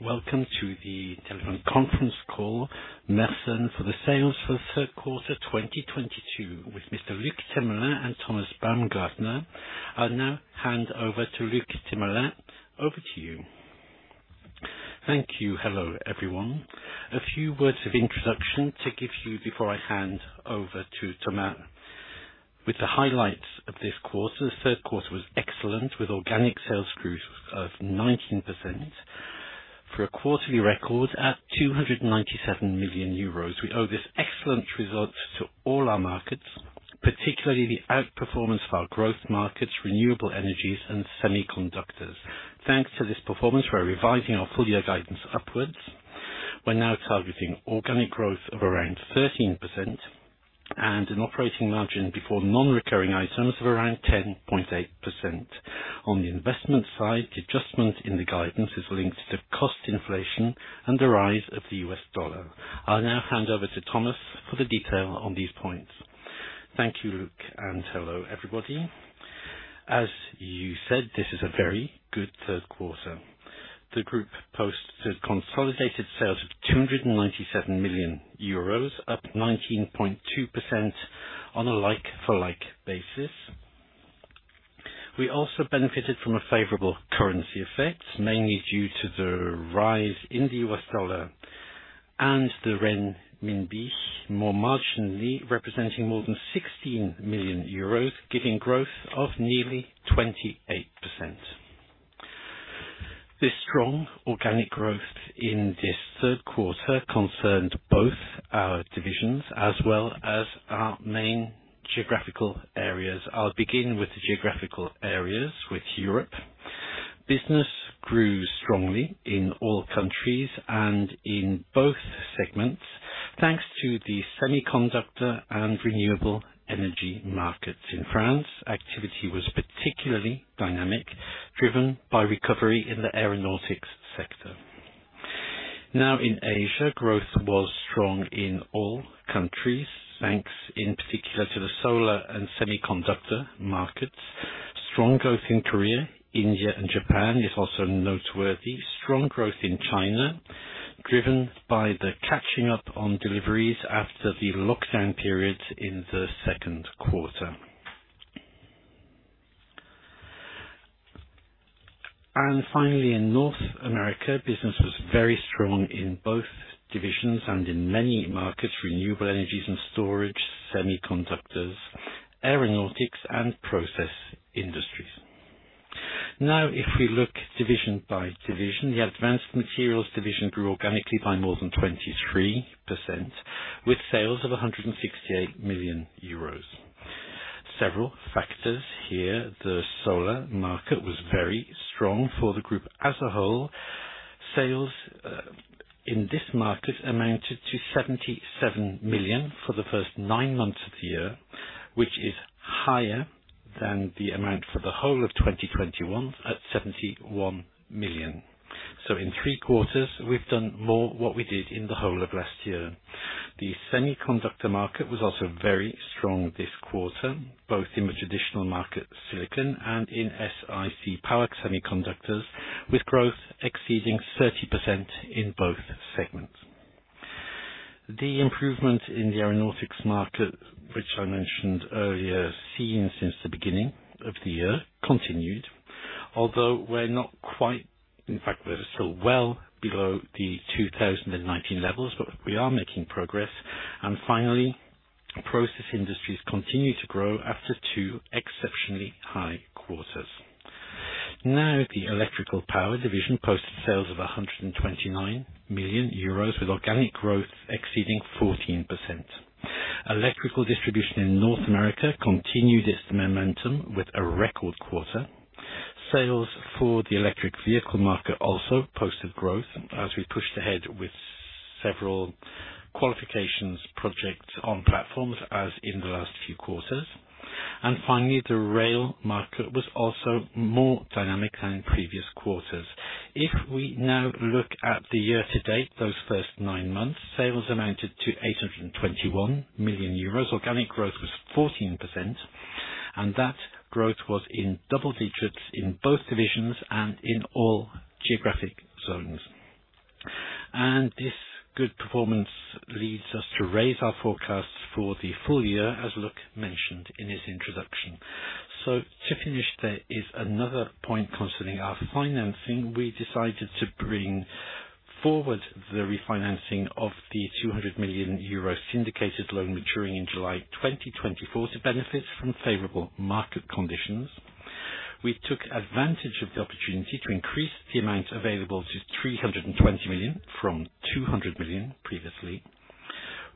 Welcome to the telephone conference call, Mersen for the sales for third quarter 2022, with Mr. Luc Themelin and Thomas Baumgartner. I'll now hand over to Luc Themelin. Over to you. Thank you. Hello, everyone. A few words of introduction to give you before I hand over to Thomas. With the highlights of this quarter, the third quarter was excellent, with organic sales growth of 19% for a quarterly record at 297 million euros. We owe this excellent result to all our markets, particularly the outperformance of our growth markets, renewable energies, and semiconductors. Thanks to this performance, we're revising our full-year guidance upwards. We're now targeting organic growth of around 13% and an operating margin before non-recurring items of around 10.8%. On the investment side, the adjustment in the guidance is linked to cost inflation and the rise of the U.S. dollar. I'll now hand over to Thomas for the detail on these points. Thank you, Luc, and hello, everybody. As you said, this is a very good third quarter. The group posted consolidated sales of 297 million euros, up 19.2% on a like-for-like basis. We also benefited from a favorable currency effect, mainly due to the rise in the US dollar and the renminbi, more marginally representing more than 16 million euros, giving growth of nearly 28%. This strong organic growth in this third quarter concerned both our divisions as well as our main geographical areas. I'll begin with the geographical areas, with Europe. Business grew strongly in all countries and in both segments, thanks to the semiconductor and renewable energy markets. In France, activity was particularly dynamic, driven by recovery in the aeronautics sector. Now, in Asia, growth was strong in all countries, thanks in particular to the solar and semiconductor markets. Strong growth in Korea, India, and Japan is also noteworthy. Strong growth in China, driven by the catching up on deliveries after the lockdown periods in the second quarter. And finally, in North America, business was very strong in both divisions and in many markets: renewable energies and storage, semiconductors, aeronautics, and process industries. Now, if we look division by division, the advanced materials division grew organically by more than 23%, with sales of 168 million euros. Several factors here: the solar market was very strong for the group as a whole. Sales in this market amounted to 77 million for the first nine months of the year, which is higher than the amount for the whole of 2021 at 71 million. So, in three quarters, we've done more what we did in the whole of last year. The semiconductor market was also very strong this quarter, both in the traditional market, silicon, and in SIC, power semiconductors, with growth exceeding 30% in both segments. The improvement in the aeronautics market, which I mentioned earlier, seen since the beginning of the year, continued, although we're not quite—in fact, we're still well below the 2019 levels, but we are making progress. And finally, process industries continue to grow after two exceptionally high quarters. Now, the electrical power division posted sales of 129 million euros, with organic growth exceeding 14%. Electrical distribution in North America continued its momentum with a record quarter. Sales for the electric vehicle market also posted growth as we pushed ahead with several qualifications projects on platforms, as in the last few quarters. And finally, the rail market was also more dynamic than in previous quarters. If we now look at the year-to-date, those first nine months, sales amounted to 821 million euros. Organic growth was 14%, and that growth was in double digits in both divisions and in all geographic zones. And this good performance leads us to raise our forecasts for the full year, as Luc mentioned in his introduction. So, to finish, there is another point concerning our financing. We decided to bring forward the refinancing of the 200 million euro syndicated loan maturing in July 2024 to benefit from favorable market conditions. We took advantage of the opportunity to increase the amount available to 320 million from 200 million previously,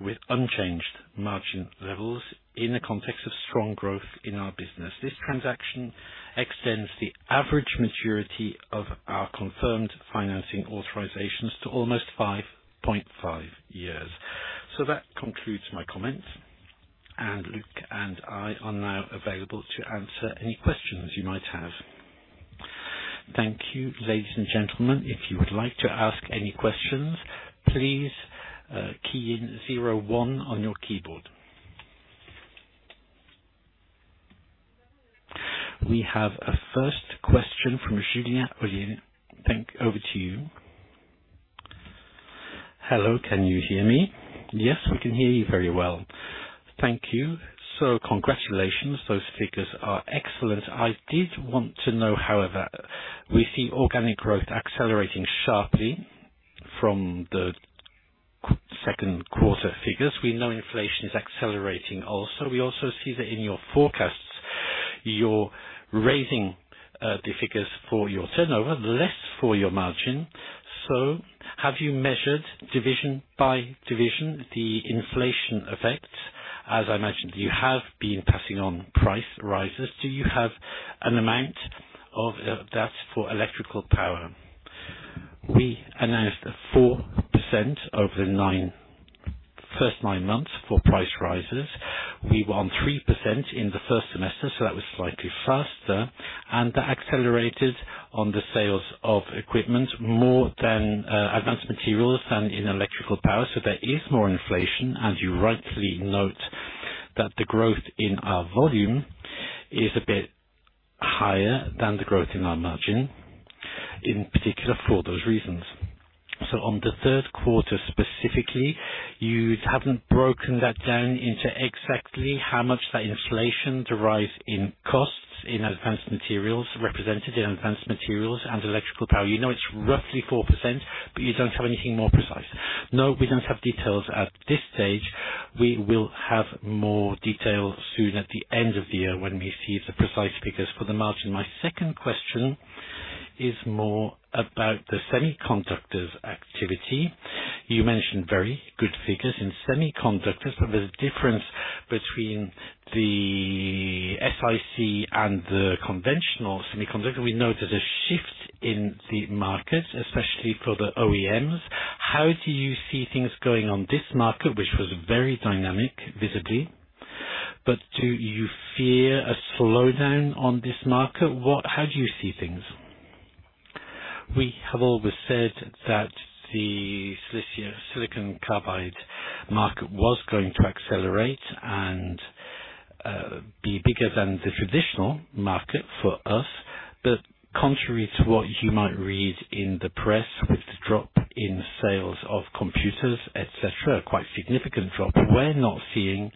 with unchanged margin levels in the context of strong growth in our business. This transaction extends the average maturity of our confirmed financing authorizations to almost 5.5 years. So, that concludes my comments, and Luc and I are now available to answer any questions you might have. Thank you, ladies and gentlemen. If you would like to ask any questions, please key in 01 on your keyboard. We have a first question from Julia Olien. Thank you. Over to you. Hello, can you hear me? Yes, we can hear you very well. Thank you. So, congratulations. Those figures are excellent. I did want to know, however, we see organic growth accelerating sharply from the second quarter figures. We know inflation is accelerating also. We also see that in your forecasts, you're raising the figures for your turnover, less for your margin. So, have you measured, division by division, the inflation effect? As I mentioned, you have been passing on price rises. Do you have an amount of that for electrical power? We announced 4% over the first nine months for price rises. We were on 3% in the first semester, so that was slightly faster, and that accelerated on the sales of equipment, more than advanced materials and in electrical power. So, there is more inflation, and you rightly note that the growth in our volume is a bit higher than the growth in our margin, in particular for those reasons. So, on the third quarter specifically, you haven't broken that down into exactly how much that inflation derives in costs in advanced materials represented in advanced materials and electrical power. You know it's roughly 4%, but you don't have anything more precise. No, we don't have details at this stage. We will have more detail soon at the end of the year when we see the precise figures for the margin. My second question is more about the semiconductors activity. You mentioned very good figures in semiconductors, but there's a difference between the SIC and the conventional semiconductor. We know there's a shift in the markets, especially for the OEMs. How do you see things going on this market, which was very dynamic visibly? But do you fear a slowdown on this market? How do you see things? We have always said that the silicon carbide market was going to accelerate and be bigger than the traditional market for us, but contrary to what you might read in the press with the drop in sales of computers, etc., quite significant drop. We're not seeing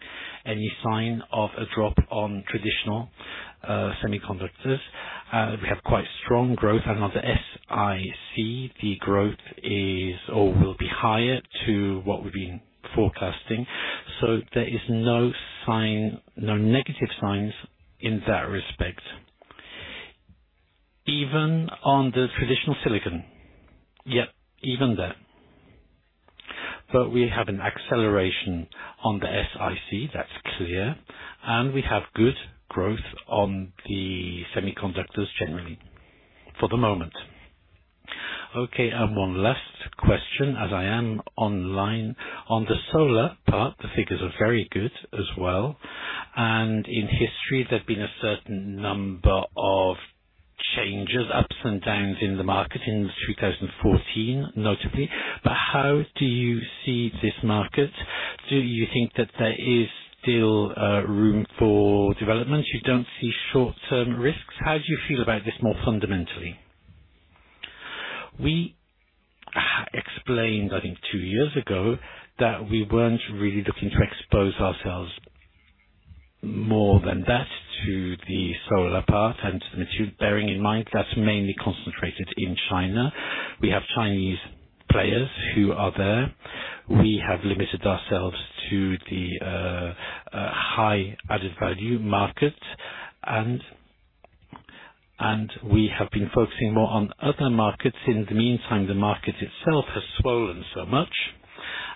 any sign of a drop on traditional semiconductors. We have quite strong growth. And on the SIC, the growth is or will be higher to what we've been forecasting. So, there is no negative signs in that respect. Even on the traditional silicon, yep, even that. But we have an acceleration on the SIC, that's clear, and we have good growth on the semiconductors generally for the moment. Okay, and one last question as I am online. On the solar part, the figures are very good as well. And in history, there've been a certain number of changes, ups and downs in the market in 2014, notably. But how do you see this market? Do you think that there is still room for development? You don't see short-term risks? How do you feel about this more fundamentally? We explained, I think, two years ago that we weren't really looking to expose ourselves more than that to the solar part and to the materials, bearing in mind that's mainly concentrated in China. We have Chinese players who are there. We have limited ourselves to the high-added-value market, and we have been focusing more on other markets. In the meantime, the market itself has swollen so much,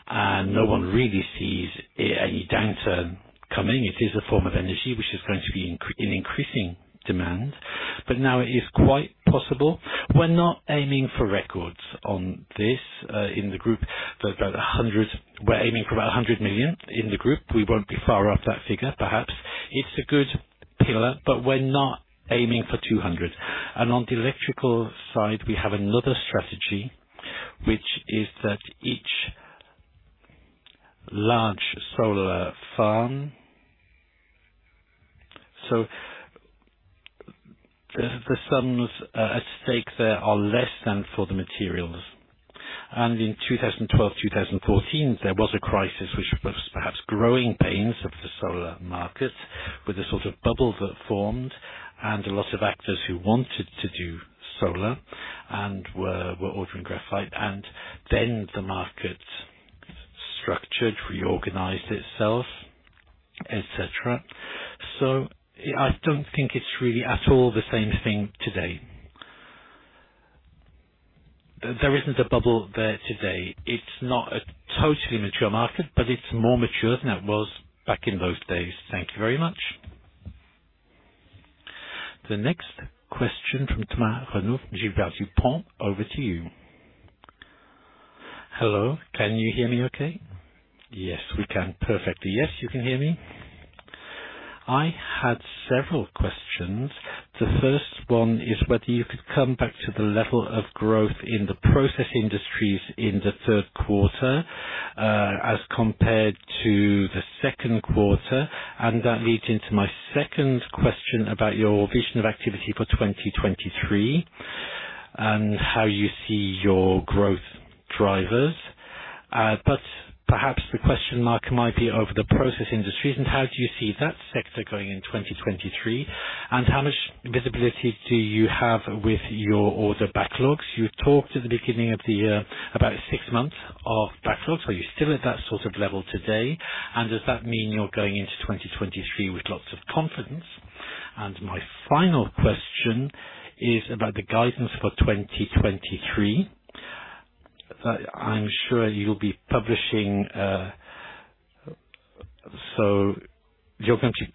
and no one really sees any downturn coming. It is a form of energy which is going to be in increasing demand, but now it is quite possible. We're not aiming for records on this. In the group, we're aiming for about 100 million in the group. We won't be far off that figure, perhaps. It's a good pillar, but we're not aiming for 200. And on the electrical side, we have another strategy, which is that each large solar farm—so the sums at stake there are less than for the materials. And in 2012, 2014, there was a crisis which was perhaps growing pains of the solar market, with a sort of bubble that formed and a lot of actors who wanted to do solar and were ordering graphite. And then the market structured, reorganized itself, etc. So, I don't think it's really at all the same thing today. There isn't a bubble there today. It's not a totally mature market, but it's more mature than it was back in those days. Thank you very much. The next question from Thomas Renouf, Gilles Bardupont. Over to you. Hello, can you hear me okay? Yes, we can. Perfectly. Yes, you can hear me. I had several questions. The first one is whether you could come back to the level of growth in the process industries in the third quarter as compared to the second quarter. And that leads into my second question about your vision of activity for 2023 and how you see your growth drivers. But perhaps the question marker might be over the process industries. And how do you see that sector going in 2023? And how much visibility do you have with your order backlogs? You talked at the beginning of the year about six months of backlogs. Are you still at that sort of level today? And does that mean you're going into 2023 with lots of confidence? And my final question is about the guidance for 2023. I'm sure you'll be publishing—so you're going to be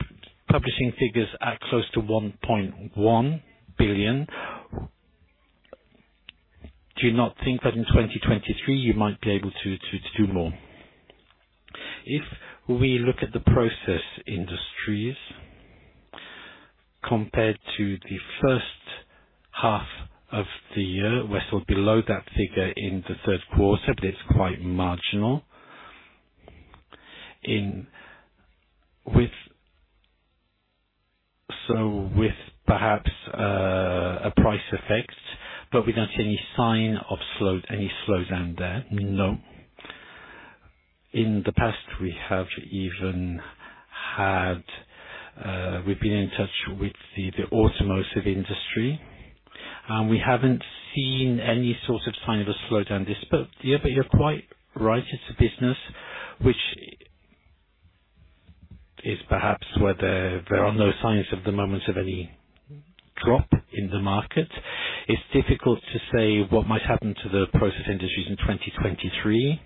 publishing figures at close to 1.1 billion. Do you not think that in 2023 you might be able to do more? If we look at the process industries compared to the first half of the year, we're still below that figure in the third quarter, but it's quite marginal. So with perhaps a price effect, but we don't see any sign of any slowdown there. No. In the past, we have even had—we've been in touch with the automotive industry, and we haven't seen any sort of sign of a slowdown this year. But you're quite right. It's a business which is perhaps where there are no signs at the moment of any drop in the market. It's difficult to say what might happen to the process industries in 2023.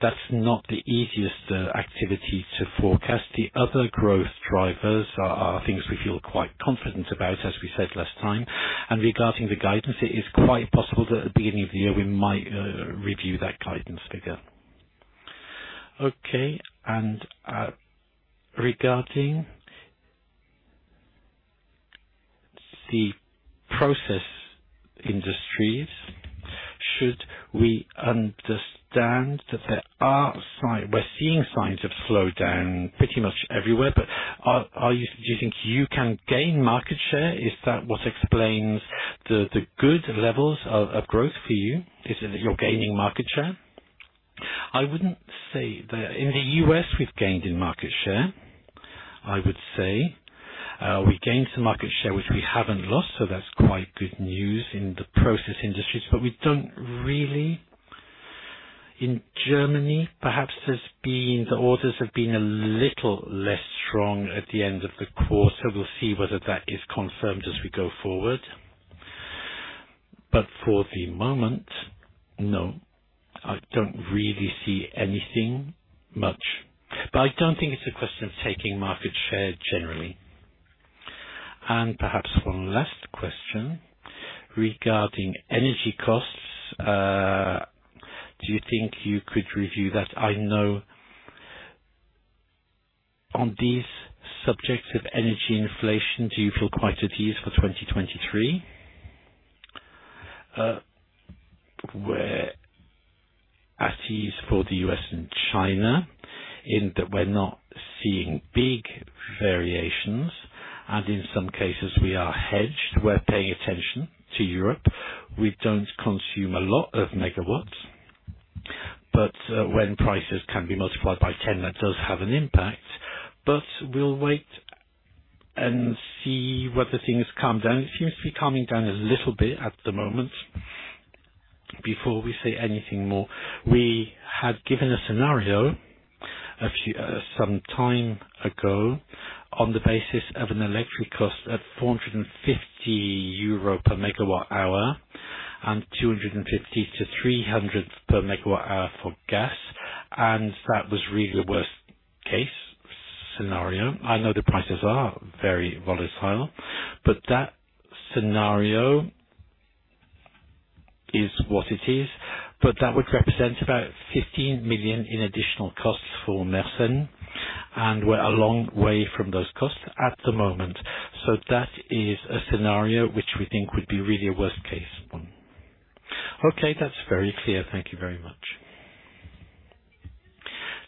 That's not the easiest activity to forecast. The other growth drivers are things we feel quite confident about, as we said last time. And regarding the guidance, it is quite possible that at the beginning of the year we might review that guidance figure. Okay. And regarding the process industries, should we understand that there are signs—we're seeing signs of slowdown pretty much everywhere, but do you think you can gain market share? Is that what explains the good levels of growth for you? Is it that you're gaining market share? I wouldn't say that. In the US, we've gained in market share, I would say. We gained some market share which we haven't lost, so that's quite good news in the process industries. But we don't really—in Germany, perhaps there's been—the orders have been a little less strong at the end of the quarter. We'll see whether that is confirmed as we go forward. But for the moment, no, I don't really see anything much. But I don't think it's a question of taking market share generally. And perhaps one last question regarding energy costs. Do you think you could review that? I know on these subjects of energy inflation, do you feel quite at ease for 2023? We're at ease for the US and China in that we're not seeing big variations, and in some cases, we are hedged. We're paying attention to Europe. We don't consume a lot of megawatts, but when prices can be multiplied by 10, that does have an impact. But we'll wait and see whether things calm down. It seems to be calming down a little bit at the moment. Before we say anything more, we had given a scenario some time ago on the basis of an electric cost at 450 euro per MWh and 250-300 per MWh for gas. And that was really a worst-case scenario. I know the prices are very volatile, but that scenario is what it is. But that would represent about 15 million in additional costs for Mersen, and we're a long way from those costs at the moment. So that is a scenario which we think would be really a worst-case one. Okay, that's very clear. Thank you very much.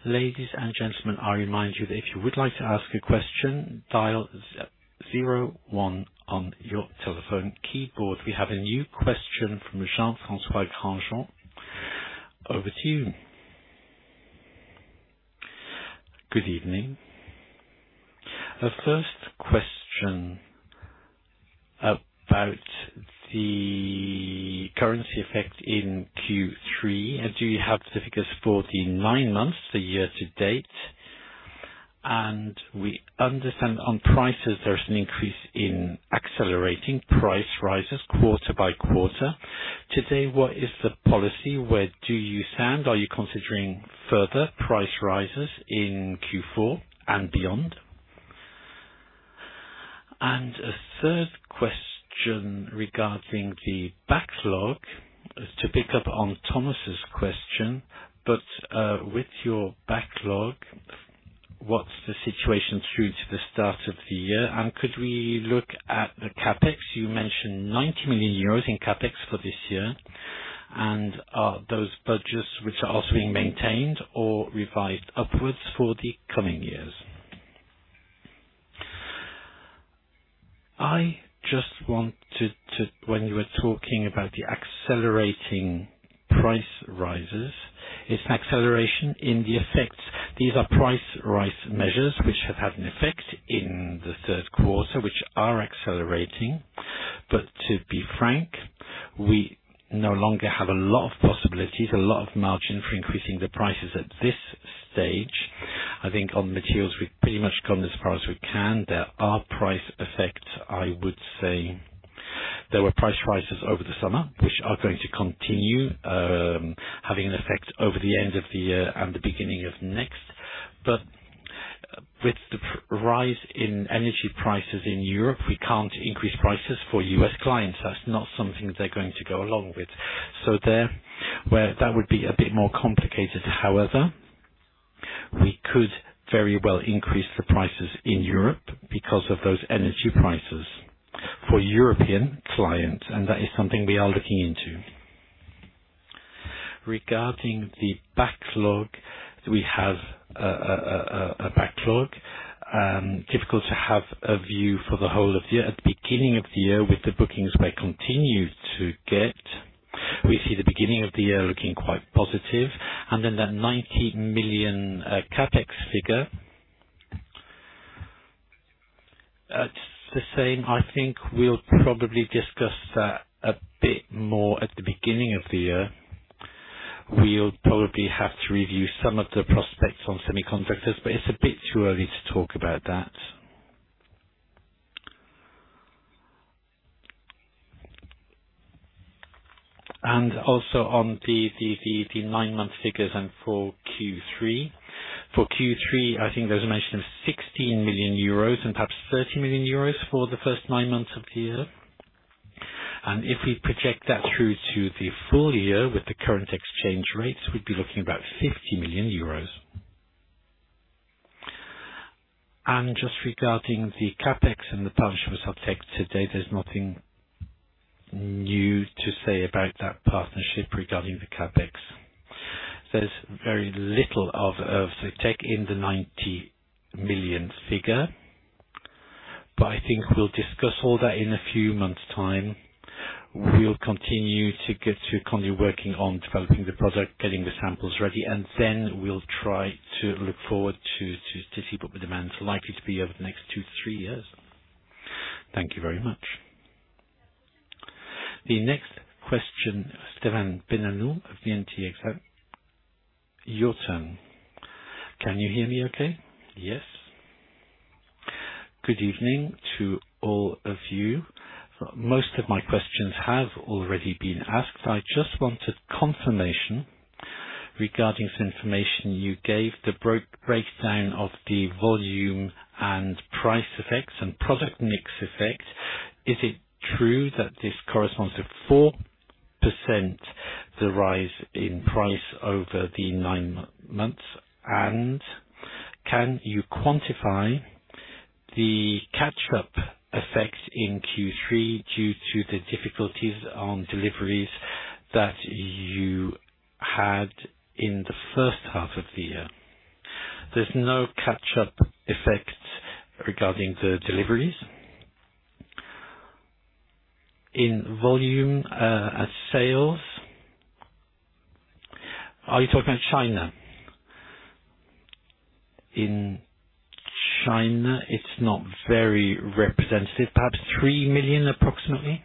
Ladies and gentlemen, I remind you that if you would like to ask a question, dial zero one on your telephone keyboard. We have a new question from Jean-François Grangeon. Over to you. Good evening. A first question about the currency effect in Q3. Do you have the figures for the nine months, the year to date? And we understand on prices, there's an increase in accelerating price rises quarter by quarter. Today, what is the policy? Where do you stand? Are you considering further price rises in Q4 and beyond? And a third question regarding the backlog, to pick up on Thomas's question, but with your backlog, what's the situation through to the start of the year? And could we look at the CapEx? You mentioned 90 million euros in CapEx for this year. And are those budgets which are also being maintained or revised upwards for the coming years? I just wanted to—when you were talking about the accelerating price rises, it's an acceleration in the effects. These are price rise measures which have had an effect in the third quarter, which are accelerating. But to be frank, we no longer have a lot of possibilities, a lot of margin for increasing the prices at this stage. I think on materials, we've pretty much gone as far as we can. There are price effects, I would say. There were price rises over the summer, which are going to continue having an effect over the end of the year and the beginning of next. But with the rise in energy prices in Europe, we can't increase prices for US clients. That's not something they're going to go along with. So that would be a bit more complicated. However, we could very well increase the prices in Europe because of those energy prices for European clients, and that is something we are looking into. Regarding the backlog, we have a backlog. Difficult to have a view for the whole of the year. At the beginning of the year, with the bookings where continue to get, we see the beginning of the year looking quite positive. And then that 90 million CapEx figure, it's the same. I think we'll probably discuss that a bit more at the beginning of the year. We'll probably have to review some of the prospects on semiconductors, but it's a bit too early to talk about that. And also on the nine-month figures and for Q3. For Q3, I think there's a mention of 16 million euros and perhaps 30 million euros for the first nine months of the year. And if we project that through to the full year with the current exchange rates, we'd be looking at about 50 million euros. And just regarding the CapEx and the partnership with Subtech today, there's nothing new to say about that partnership regarding the CapEx. There's very little of the tech in the 90 million figure, but I think we'll discuss all that in a few months' time. We'll continue to continue working on developing the product, getting the samples ready, and then we'll try to look forward to see what the demand's likely to be over the next two to three years. Thank you very much. The next question, Stephane Benalou of VNTXN. Your turn. Can you hear me okay? Yes. Good evening to all of you. Most of my questions have already been asked. I just wanted confirmation regarding some information you gave, the breakdown of the volume and price effects and product mix effect. Is it true that this corresponds to 4% the rise in price over the nine months? And can you quantify the catch-up effects in Q3 due to the difficulties on deliveries that you had in the first half of the year? There's no catch-up effects regarding the deliveries. In volume at sales, are you talking about China? In China, it's not very representative. Perhaps 3 million, approximately.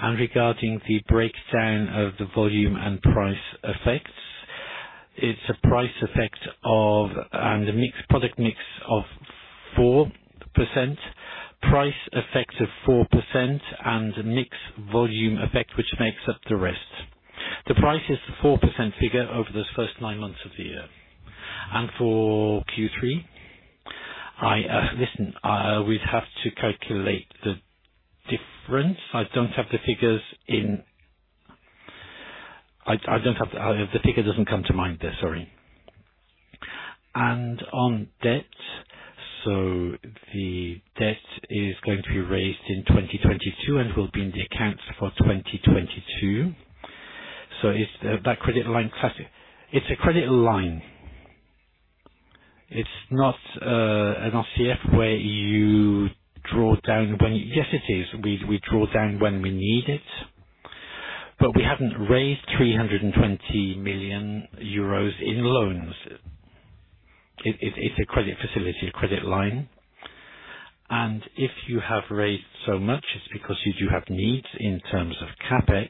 And regarding the breakdown of the volume and price effects, it's a price effect and a mixed product mix of 4%, price effect of 4%, and mixed volume effect which makes up the rest. The price is the 4% figure over those first nine months of the year. And for Q3, I listen, we'd have to calculate the difference. I don't have the figures in I don't have the figure; it doesn't come to mind there. Sorry. And on debt, so the debt is going to be raised in 2022 and will be in the accounts for 2022. So is that credit line classic? It's a credit line. It's not an RCF where you draw down when you—yes, it is. We draw down when we need it. But we haven't raised 320 million euros in loans. It's a credit facility, a credit line. And if you have raised so much, it's because you do have needs in terms of CapEx.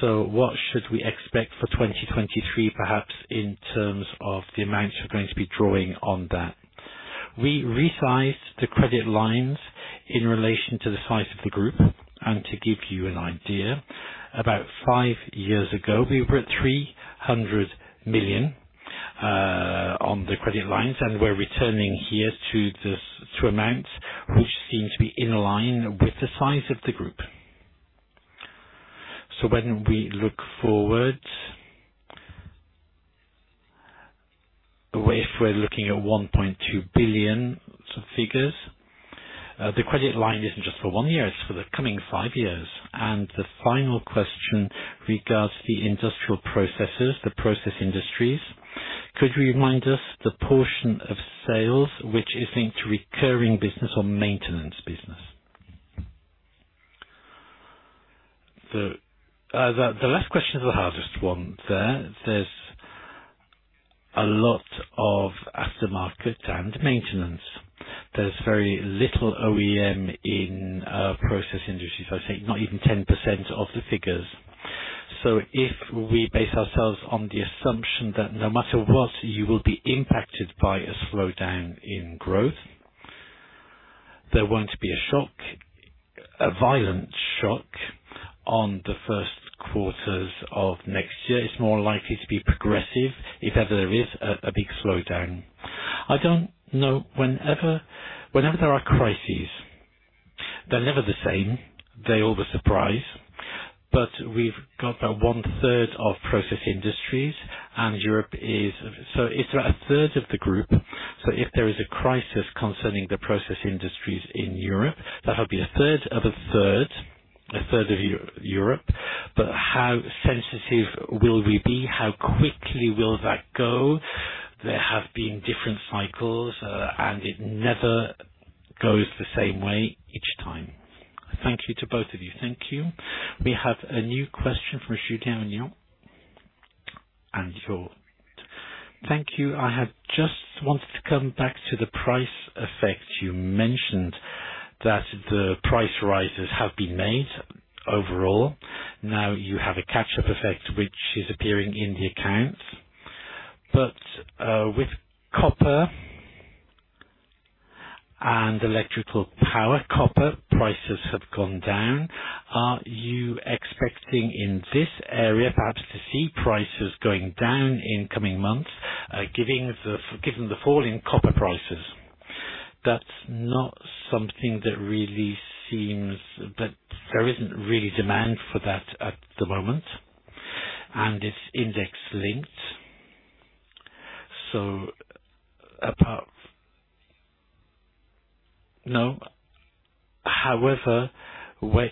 So what should we expect for 2023, perhaps, in terms of the amounts we're going to be drawing on that? We resized the credit lines in relation to the size of the group. And to give you an idea, about five years ago, we were at 300 million on the credit lines, and we're returning here to amounts which seem to be in line with the size of the group. So when we look forward, if we're looking at 1.2 billion figures, the credit line isn't just for one year; it's for the coming five years. And the final question regards the industrial processes, the process industries. Could you remind us the portion of sales which is linked to recurring business or maintenance business? The last question is the hardest one there. There's a lot of aftermarket and maintenance. There's very little OEM in process industries, I think, not even 10% of the figures. So if we base ourselves on the assumption that no matter what, you will be impacted by a slowdown in growth, there won't be a shock, a violent shock on the first quarters of next year. It's more likely to be progressive if ever there is a big slowdown. I don't know. Whenever there are crises, they're never the same. They always surprise. But we've got about one-third of process industries, and Europe is—so it's about a third of the group. So if there is a crisis concerning the process industries in Europe, that'll be a third of a third, a third of Europe. But how sensitive will we be? How quickly will that go? There have been different cycles, and it never goes the same way each time. Thank you to both of you. Thank you. We have a new question from Julien Aignan. And your—thank you. I had just wanted to come back to the price effect. You mentioned that the price rises have been made overall. Now you have a catch-up effect which is appearing in the accounts. But with copper and electrical power, copper prices have gone down. Are you expecting in this area perhaps to see prices going down in coming months, given the fall in copper prices? That's not something that really seems—but there isn't really demand for that at the moment, and it's index-linked. So apart—no. However, we'll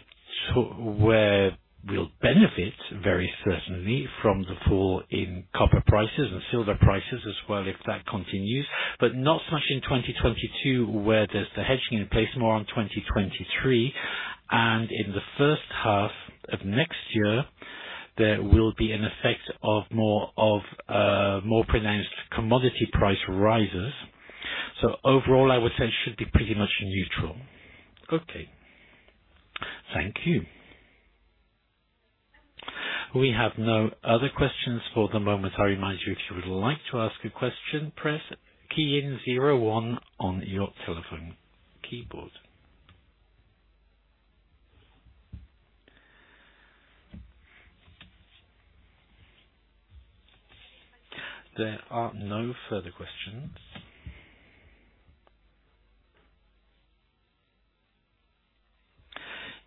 benefit very certainly from the fall in copper prices and silver prices as well if that continues, but not so much in 2022 where there's the hedging in place, more on 2023. And in the first half of next year, there will be an effect of more pronounced commodity price rises. So overall, I would say it should be pretty much neutral. Okay. Thank you. We have no other questions for the moment. I remind you, if you would like to ask a question, press key in 01 on your telephone keyboard. There are no further questions.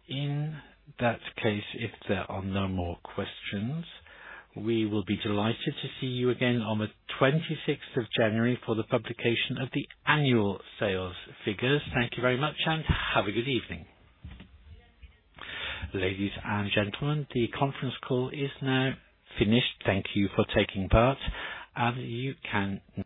In that case, if there are no more questions, we will be delighted to see you again on the 26th of January for the publication of the annual sales figures. Thank you very much, and have a good evening. Ladies and gentlemen, the conference call is now finished. Thank you for taking part, and you can.